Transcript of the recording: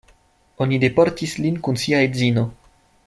Oni deportis lin kun sia edzino.